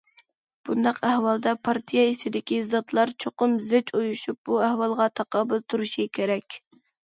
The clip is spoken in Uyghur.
بۇنداق ئەھۋالدا پارتىيە ئىچىدىكى زاتلار چوقۇم زىچ ئۇيۇشۇپ، بۇ ئەھۋالغا تاقابىل تۇرۇشى كېرەك.